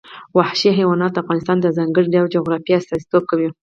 وحشي حیوانات د افغانستان د ځانګړي ډول جغرافیه استازیتوب کوي.